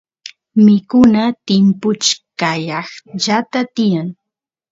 mikuna timpuchkaqllata tiyan